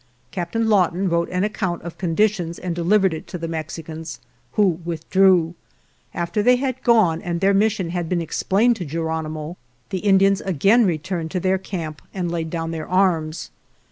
Captain Lawton wrote an account of con ditions and delivered it to the Mexicans, who withdrew. After they had gone and their mission had been explained to Ge ronimo the Indians again returned to their camp and laid down their arms.